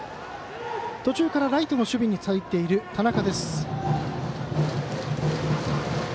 途中からライトの守備に入っている、田中。